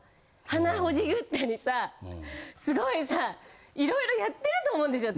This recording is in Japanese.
鼻ほじくったりさすごいさ色々やってると思うんですよ。